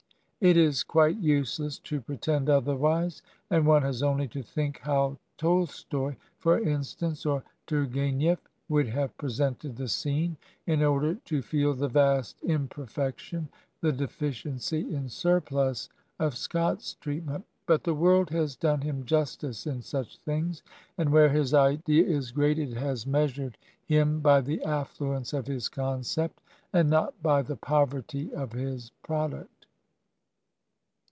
It is quite useless to pre tend otherwise, and one has only to think how Tolstoy, for instance, or Tourgu6nief would have presented the scene, in order to feel the vast imperfection, the de ficiency in surplus, of Scott's treatment. But the world has done him justice, in such things, and where his idea is great, it has measured him by the afiBiuence of his concept, and not by the poverty of his product.